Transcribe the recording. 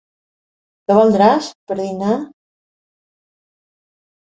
Què voldràs, per dinar?